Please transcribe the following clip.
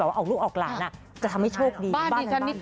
เอาอีกทีเอาอีกทีเอาอีกที